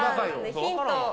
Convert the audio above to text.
ヒント。